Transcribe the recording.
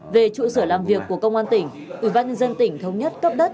về trụ sở làm việc của công an tỉnh ubnd tỉnh thống nhất cấp đất